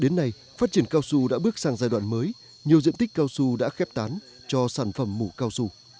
đến nay phát triển cao su đã bước sang giai đoạn mới nhiều diện tích cao su đã khép tán cho sản phẩm mủ cao su